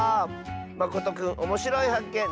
まことくんおもしろいはっけん